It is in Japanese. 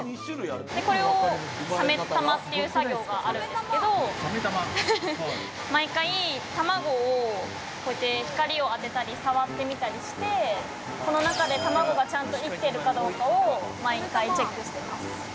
これをサメたまという作業があるんですけれども、毎回、卵を光を当てたり触ってみたりして、この中で卵がちゃんと生きてるかどうかを毎回チェックしてます。